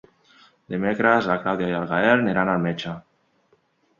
Dimecres na Clàudia i en Gaël aniran al metge.